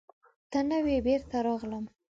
ته نه وې، بېرته راغلم.